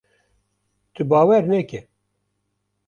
Tu bawer neke!